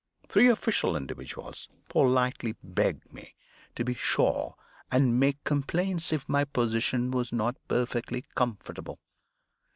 Three official individuals politely begged me to be sure and make complaints if my position was not perfectly comfortable.